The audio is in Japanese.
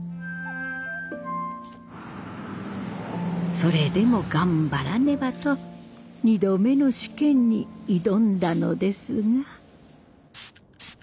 それでも頑張らねばと２度目の試験に挑んだのですが。